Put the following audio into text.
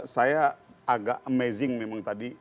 saya agak amazing memang tadi